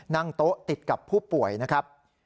นั่งโต๊ะติดกับผู้ป่วยนะครับ